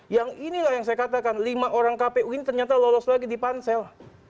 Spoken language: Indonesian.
yang inilah yang saya katakan lima orang kpu ini ternyata lolos lagi di pansel